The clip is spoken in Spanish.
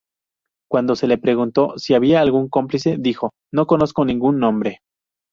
Cuando se le preguntó si había algún cómplice dijo: "No conozco ningún nombre".